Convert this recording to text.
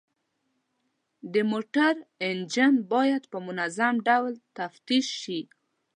د موټرو انجن باید په منظم ډول تفتیش شي.